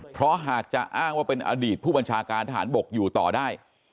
เพราะหากจะอ้างว่าเป็นอดีตผู้บัญชาการทหารบกอยู่ต่อได้